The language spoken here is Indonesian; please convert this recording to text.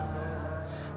nah mak bapak